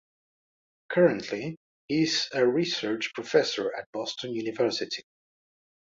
Currently, he is a research professor at Boston University.